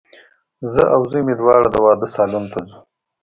زه او زوی مي دواړه د واده سالون ته ځو